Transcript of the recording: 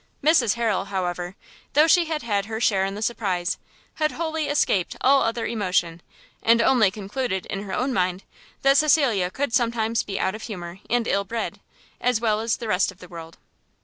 Mrs Harrel, however, though she had had her share in the surprise, had wholly escaped all other emotion; and only concluded in her own mind, that Cecilia could sometimes be out of humour and ill bred, as well as the rest of the world.